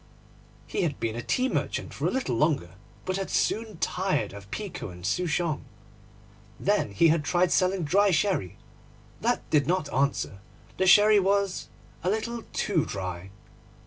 He had been a tea merchant for a little longer, but had soon tired of pekoe and souchong. Then he had tried selling dry sherry. That did not answer; the sherry was a little too dry.